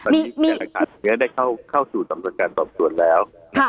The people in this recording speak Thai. ตอนนี้การตอบตรวจเนี่ยได้เข้าสู่สำนวนการตอบตรวจแล้ว